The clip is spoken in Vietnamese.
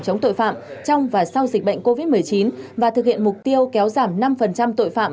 chống tội phạm trong và sau dịch bệnh covid một mươi chín và thực hiện mục tiêu kéo giảm năm tội phạm